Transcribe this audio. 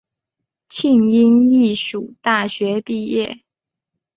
庆应义塾大学毕业。